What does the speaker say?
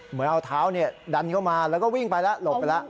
เหมือนเอาเท้าดันเข้ามาแล้วก็วิ่งไปแล้วหลบไปแล้ว